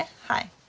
はい。